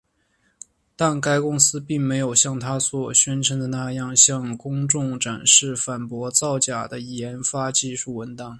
但该公司并没有像它所宣称的那样向公众展示反驳造假的研发技术文档。